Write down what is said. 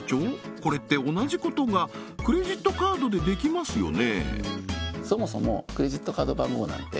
これって同じことがクレジットカードでできますよね？